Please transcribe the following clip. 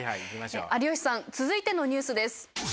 有吉さん続いてのニュースです。